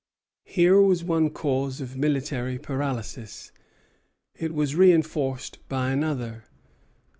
Here was one cause of military paralysis. It was reinforced by another.